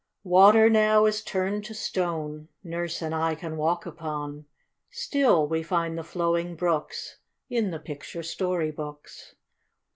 Water now is turned to stone Nurse and I can walk upon; Still we find the flowing brooks In the picture story books.